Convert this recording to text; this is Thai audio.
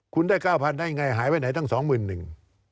คุณได้เก้าพันได้ไงหายไปไหนตั้งสองหมื่นหนึ่ง